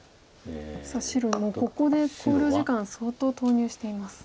さあ白はここで考慮時間相当投入しています。